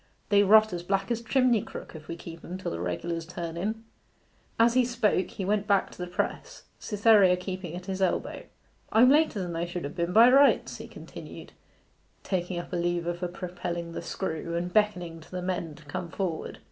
'They rot as black as a chimney crook if we keep 'em till the regulars turn in.' As he spoke he went back to the press, Cytherea keeping at his elbow. 'I'm later than I should have been by rights,' he continued, taking up a lever for propelling the screw, and beckoning to the men to come forward.